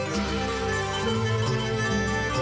โอ้โหโอ้โหโอ้โห